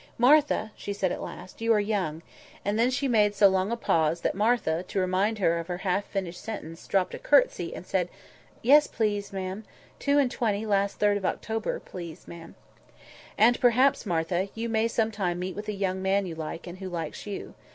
"Martha!" she said, at last, "you are young"—and then she made so long a pause that Martha, to remind her of her half finished sentence, dropped a curtsey, and said— "Yes, please, ma'am; two and twenty last third of October, please, ma'am." "And, perhaps, Martha, you may some time meet with a young man you like, and who likes you.